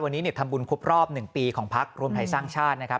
วันนี้ทำบุญครบรอบ๑ปีของพักรวมไทยสร้างชาตินะครับ